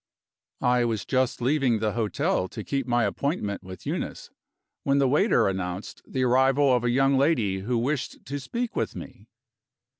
I was just leaving the hotel to keep my appointment with Eunice, when the waiter announced the arrival of a young lady who wished to speak with me.